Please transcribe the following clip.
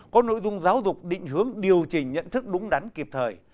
có nội dung giáo dục định hướng điều chỉnh nhận thức đúng đắn kịp thời